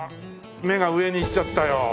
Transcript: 目が上にいっちゃったよ。